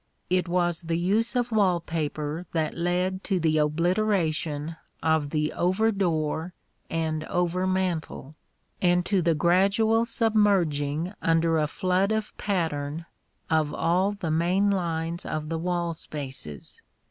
It was the use of wall paper that led to the obliteration of the over door and over mantel, and to the gradual submerging under a flood of pattern of all the main lines of the wall spaces.